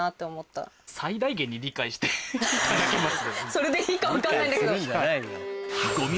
それでいいか分かんないんだけど。